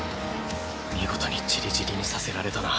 見事に散り散りにさせられたな。